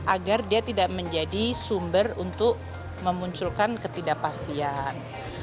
agar dia tidak menjadi sumber untuk memunculkan ketidakpastian